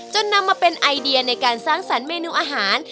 นำมาเป็นไอเดียในการสร้างสรรค์เมนูอาหาร